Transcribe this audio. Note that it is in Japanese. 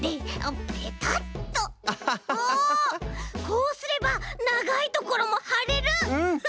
こうすればながいところもはれる！